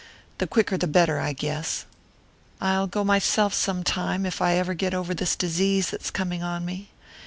The quicker the better, I guess. I'll go myself sometime, if I ever get over this disease that's coming on me.